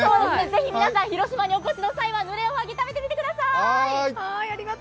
ぜひ皆さん、広島にお越しの際はぬれおはぎ、食べてみてください。